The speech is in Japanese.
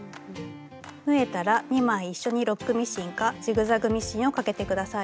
縫えたら２枚一緒にロックミシンかジグザグミシンをかけて下さい。